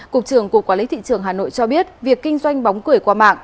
cục trưởng cục quản lý thị trường hà nội cho biết việc kinh doanh bóng cười qua mạng